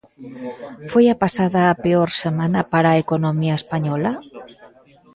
Foi a pasada a peor semana para a economía española?